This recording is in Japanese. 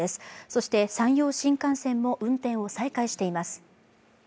そして、山陽新幹線も運転を再開しています。